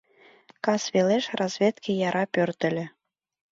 Кас велеш разведке яра пӧртыльӧ.